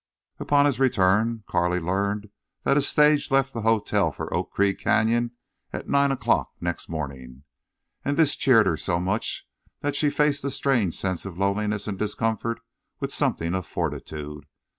Upon his return Carley learned that a stage left the hotel for Oak Creek Canyon at nine o'clock next morning. And this cheered her so much that she faced the strange sense of loneliness and discomfort with something of fortitude.